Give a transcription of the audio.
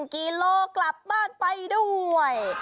กิโลกลับบ้านไปด้วย